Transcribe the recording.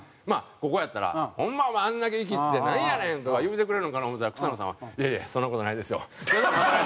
ここやったら「ホンマお前あんだけいきってなんやねん！」とか言うてくれるんかな思うたら草野さんは「いやいやそんな事ないですよ」。